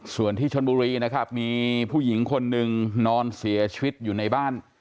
ส่วนที่ชนบุรีนะครับมีผู้หญิงคนหนึ่งนอนเสียชีวิตอยู่ในบ้าน